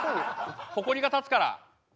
ほこりが立つから。